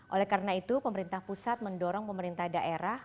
oleh karena itu pemerintah pusat mendorong pemerintah daerah